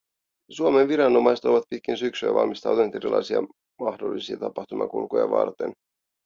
Suomen viranomaiset ovat pitkin syksyä valmistautuneet erilaisia mahdollisia tapahtumakulkuja varten.